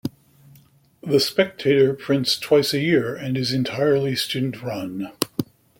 "The Spectator" prints twice a year and is entirely student run.